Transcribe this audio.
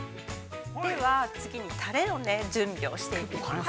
では、次にタレを準備をしていきます。